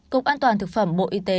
cục an toàn thực phẩm bộ y tế